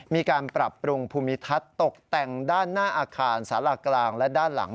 มีการปรับปรุงภูมิทัศน์ตกแต่งด้านหน้าอาคารสารากลางและด้านหลัง